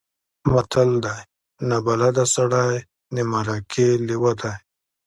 متل دی: نابلده سړی د مرکې لېوه دی.